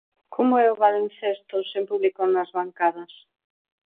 Como é o baloncesto sen público nas bancadas?